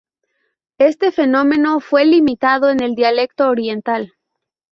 Este fenómeno fue limitado en el dialecto oriental.